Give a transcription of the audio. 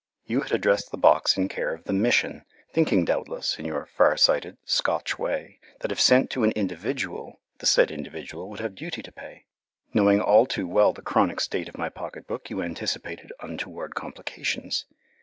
You had addressed the box in care of the Mission, thinking doubtless, in your far sighted, Scotch way, that if sent to an individual, the said individual would have duty to pay. Knowing all too well the chronic state of my pocket book, you anticipated untoward complications.